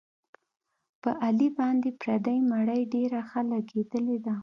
په علي باندې پردۍ مړۍ ډېره ښه لګېدلې ده.